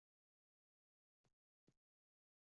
认为自己是一家之主